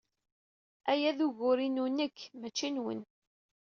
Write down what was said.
Aya d ugur-inu nekk, maci nwen.